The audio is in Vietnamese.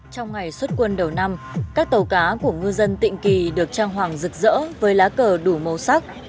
trong ngày xuất quân đầu năm các tàu cá của ngư dân tịnh kỳ được trang hoàng rực rỡ với lá cờ đủ màu sắc